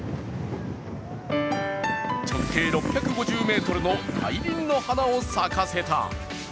直径６５０ｍの大輪の花を咲かせた。